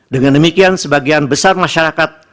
dengan demikian sebagian besar masyarakat